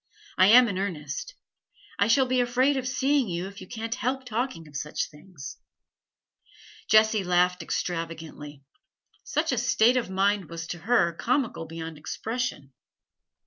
I am in earnest; I shall be afraid of seeing you if you can't help talking of such things.' Jessie laughed extravagantly; such a state of mind was to her comical beyond expression.